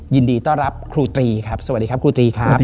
ยินดีต้อนรับครูตรีครับสวัสดีครับครูตรีครับ